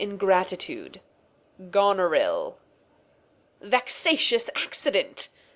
Ingratitude. Goneril. Vexatious Accident